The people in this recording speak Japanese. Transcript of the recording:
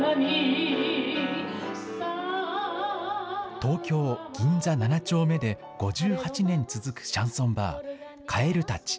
東京・銀座７丁目で５８年続くシャンソンバー、蛙たち。